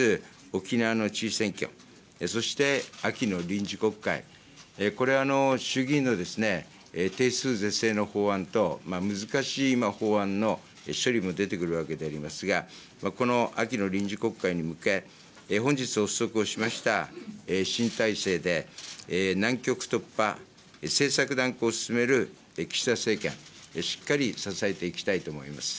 沖縄の知事選挙、そして秋の臨時国会、これ、衆議院の定数是正の法案と、難しい法案の処理も出てくるわけでありますが、この秋の臨時国会に向け、本日発足をしました新体制で、難局突破・政策断行を進める岸田政権、しっかり支えていきたいと思います。